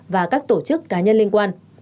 và các tổ chức cá nhân liên quan